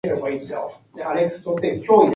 I have him in a vice.